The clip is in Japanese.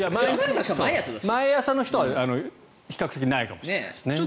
毎朝の人は比較的ないかもしれないですね。